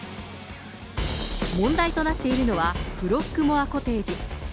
問題となっているのは、フロッグモア・コテージ。